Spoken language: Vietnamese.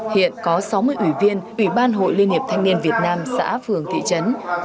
hiện có sáu mươi ủy viên ủy ban hội liên hiệp thanh niên việt nam xã phường thị trấn